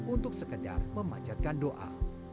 untuk sekedar memanjatkan doa